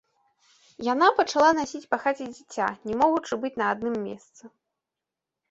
Яна пачала насіць па хаце дзіця, не могучы быць на адным месцы.